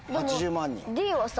Ｄはさ